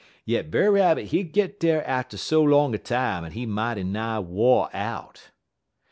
Yit Brer Rabbit he git dar atter so long a time, en he mighty nigh wo' out.